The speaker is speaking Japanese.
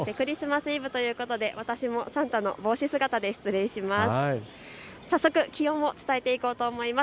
クリスマスイブということで私もサンタの帽子姿で失礼します。